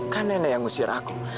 kan nenek yang ngusir aku